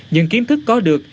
những kiến thức có được